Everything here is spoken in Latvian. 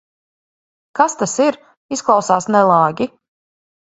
Kas tas ir? Izklausās nelāgi.